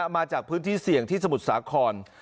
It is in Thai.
มาจากพื้นที่เสี่ยงที่สมุทรสาคร